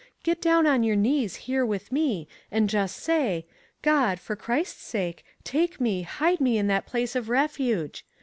Get down on your knees here with me and just say, *God, for Christ's sake, take me, hide me in that place of refuge.'